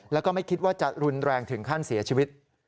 แล้วก็ไม่คิดว่าจะรุนแรงถึงขั้นเสียชีวิต